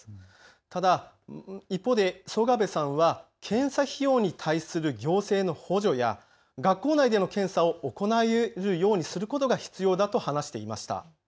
ただ一方で曽我部さんは検査費用に対する行政の補助や学校内での検査を行えるようにすることが必要だと話していました。